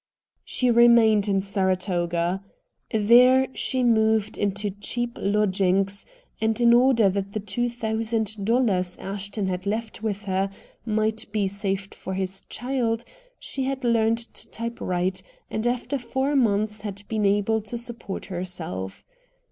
She remained in Saratoga. There she moved into cheap lodgings, and in order that the two thousand dollars Ashton had left with her might be saved for his child, she had learned to type write, and after four months had been able to support herself.